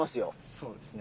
そうですね。